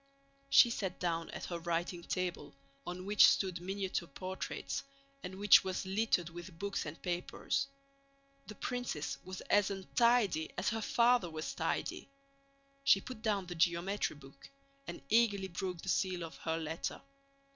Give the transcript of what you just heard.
She sat down at her writing table, on which stood miniature portraits and which was littered with books and papers. The princess was as untidy as her father was tidy. She put down the geometry book and eagerly broke the seal of her letter.